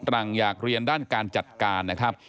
หลังอยากเรียนด้านการจัดการนะครับ